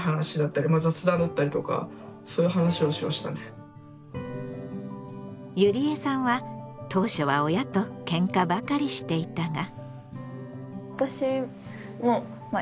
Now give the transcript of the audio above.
何かほんとにゆりえさんは当初は親とけんかばかりしていたが。